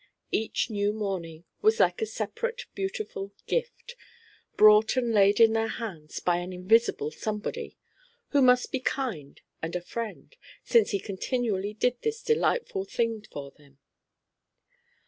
Each new morning was like a separate beautiful gift, brought and laid in their hands by an invisible somebody, who must be kind and a friend, since he continually did this delightful thing for them.